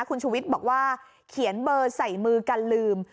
คุณชูวิทย์บอกว่าเขียนเบอร์ใส่มือกันลืม